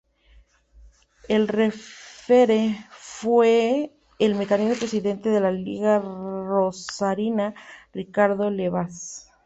El referee fue el mismísimo presidente de la Liga Rosarina, Ricardo Le Bas.